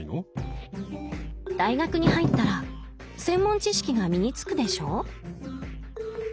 大学に入ったら専門知識が身につくでしょ。